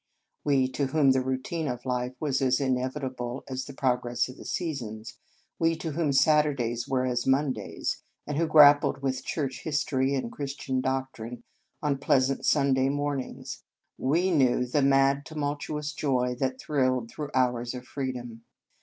We to whom the routine of life was as inevitable as the progress of the seasons, we to whom Saturdays were as Mondays, and who grappled with Church his tory and Christian doctrine on plea sant Sunday mornings, ive knew the mad tumultuous joy that thrilled through hours of freedom.